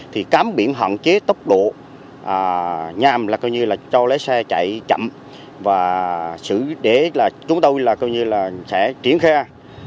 thì cắm biển hạn chế tốc độ nhàm là coi như là cho lấy xe chạy chậm và xử để là chúng tôi là coi như là sẽ triển khai